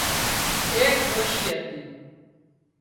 ايڪ ڏوشي هتي